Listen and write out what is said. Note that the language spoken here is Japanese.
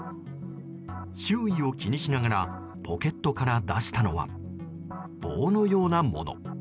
周囲を気にしながらポケットから出したのは棒のようなもの。